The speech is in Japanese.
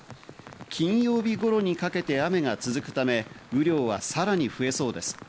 金曜日頃にかけて雨が続くため雨量はさらに増えそうです。